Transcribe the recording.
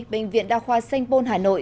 bệnh viện đa khoa sanh pôn hà nội